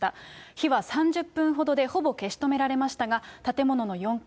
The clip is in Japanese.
火は３０分ほどでほぼ消し止められましたが、建物の４階